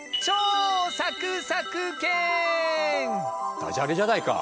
ダジャレじゃないか。